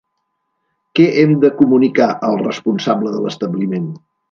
Què hem de comunicar al responsable de l'establiment?